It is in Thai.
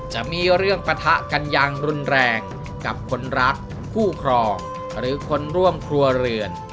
จะมีเรื่องปะทะกันอย่างรุนแรงกับคนรักคู่ครองหรือคนร่วมครัวเรือน